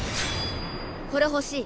これほしい。